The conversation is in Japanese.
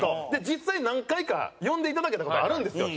実際何回か呼んでいただけた事あるんですよ。